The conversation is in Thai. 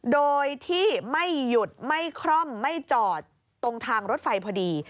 โดยที่ไม่หยุดไม่คร่อมไม่จอดตรงทางรถไฟพอดี